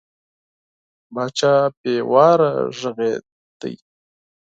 پاچا بې واره غږېده.